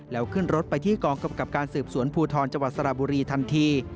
แล้วขึ้นรถไปที่กองกำกับการสืบสวนภูทรจังหวัดสระบุรีทันที